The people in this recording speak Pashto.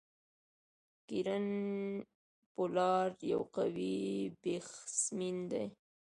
کیرن پولارډ یو قوي بيټسمېن دئ.